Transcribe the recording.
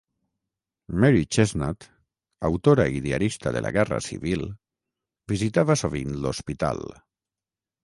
Mary Chesnut, autora i diarista de la Guerra Civil, visitava sovint l'hospital.